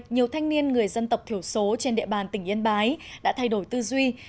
nhiều thanh niên người dân tộc thiểu số trên địa bàn tỉnh yên bái đã thay đổi tư duy